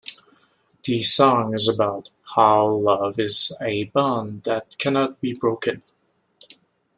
The song is about "how love is a bond that cannot be broken".